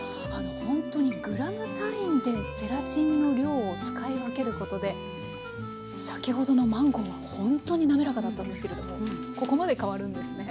ほんとにグラム単位でゼラチンの量を使い分けることで先ほどのマンゴーはほんとに滑らかだったんですけれどもここまで変わるんですね。